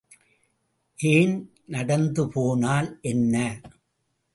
ஏன் நடந்துபோனால் என்ன?